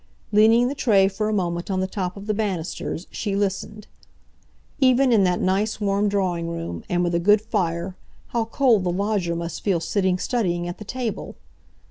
Leaning the tray for a moment on the top of the banisters, she listened. Even in that nice warm drawing room, and with a good fire, how cold the lodger must feel sitting studying at the table!